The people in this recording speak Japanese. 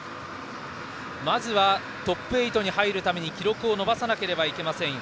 まずはトップ８に入るために記録を伸ばさなければなりません。